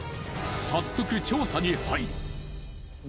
早速調査に入る。